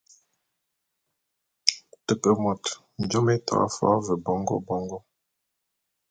Te ke môt…jôm é to fo’o ve bongô bongô.